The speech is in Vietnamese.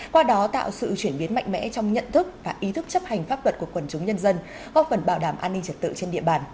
qua đó tạo sự chuyển biến mạnh mẽ trong nhận thức và ý thức chấp hành pháp luật của quần chúng nhân dân góp phần bảo đảm an ninh trật tự trên địa bàn